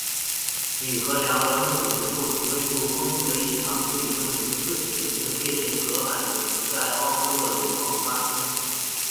钕和钌两种元素同位素丰度的异常可以证明自持性裂变核反应曾在奥克洛铀矿发生。